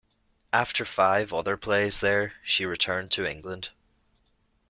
After five other plays there, she returned to England.